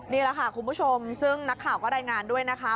นี่แหละค่ะคุณผู้ชมซึ่งนักข่าวก็รายงานด้วยนะคะ